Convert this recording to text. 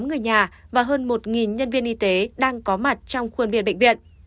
tám người nhà và hơn một nhân viên y tế đang có mặt trong khuôn biệt bệnh viện